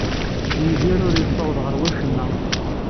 Yidir ur yessawaḍ ɣer wacemma.